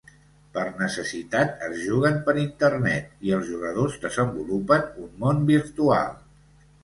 Per necessitat, es juguen per Internet, i els jugadors desenvolupen un món virtual.